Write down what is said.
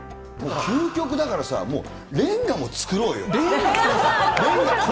究極だからさ、レンガも作ろうよ。